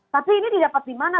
tapi ini didapat di mana